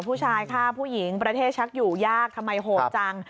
ผู้ชายฆ่าผู้หญิงประเทศชักอยู่ยากทำไมโหดจัง